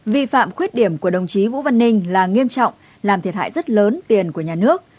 vi phạm khuyết điểm của đồng chí vũ văn ninh là nghiêm trọng làm thiệt hại rất lớn tiền của nhà nước